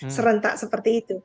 serentak seperti itu